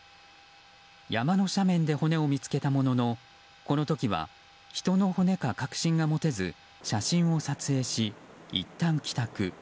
山の斜面で骨を見つけたもののこの時は人の骨か確信が持てず写真を撮影し、いったん帰宅。